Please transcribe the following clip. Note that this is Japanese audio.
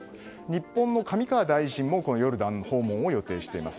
日本の上川大臣もヨルダン訪問を予定しています。